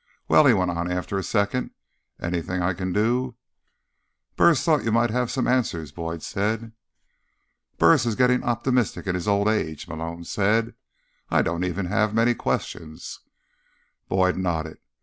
"Well," he went on after a second, "anything I can do—" "Burris thought you might have some answers," Boyd said. "Burris is getting optimistic in his old age," Malone said. "I don't even have many questions." Boyd nodded.